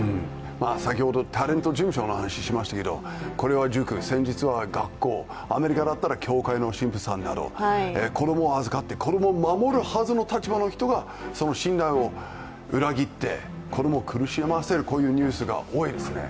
先ほどタレント事務所の話をしましたけど、これは塾、先日は学校、アメリカは教会の神父さんなど子供を預かって子供を守るはずの立場の人をその信頼を裏切って、子供を苦しませるニュースが多いですね。